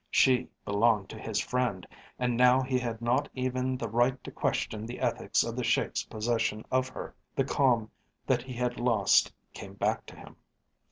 She belonged to his friend, and now he had not even the right to question the ethics of the Sheik's possession of her. The calm that he had lost came back to him.